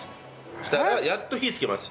そしたらやっと火つけます。